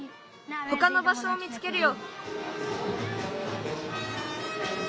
ほかのばしょを見つけるよ。